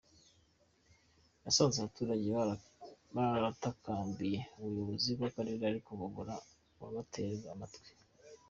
Yasanze abaturage baratakambiye ubuyobozi bw’Akarere ariko babura uwabatega amatwi.